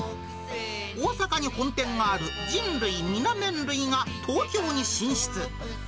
大阪に本店がある、人類みな麺類が、東京に進出。